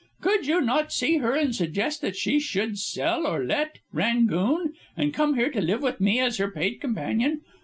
Could you not see her and suggest that she should sell or let, 'Rangoon' and come here to live with me as her paid companion?